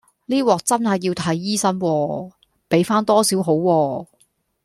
呢鑊真係要睇醫生喎，畀返多少好喎